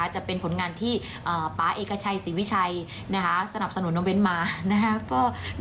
จะเป็นผลงานที่ป๊าเอกชัยศรีวิชัยสนับสนุนน้องเบ้นมานะครับ